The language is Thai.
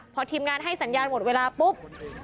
พอทีมงานให้สัญญาณหมดเวลาปุ๊บ